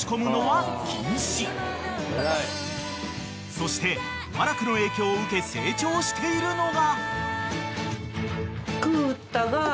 ［そして和楽の影響を受け成長しているのが］